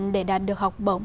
để đạt được học bổng